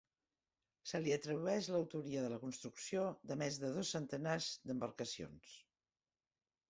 Se li atribueix l'autoria de la construcció de més de dos centenars d'embarcacions.